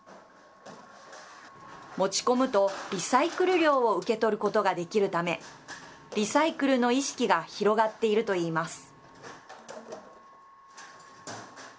持ち込むと、リサイクル料を受け取ることができるため、リサイクルの意識が広がっているといいます。